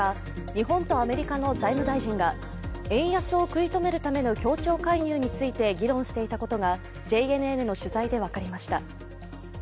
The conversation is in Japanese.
日本とアメリカの財務大臣が円安を食い止めるための協調介入について議論していたことがＪＮＮの取材で分かりました。